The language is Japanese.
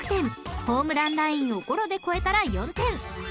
［ホームランラインをゴロで越えたら４点］